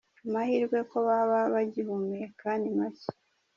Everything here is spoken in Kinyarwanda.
Amahirwe ko baba bagihumeka ni macye.